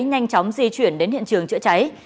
nhanh chóng di chuyển đến hiện trường chữa cháy